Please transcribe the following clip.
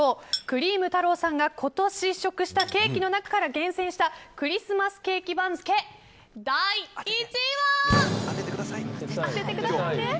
クリーム太朗さんが今年試食したケーキの中から厳選したクリスマスケーキ番付第１位は。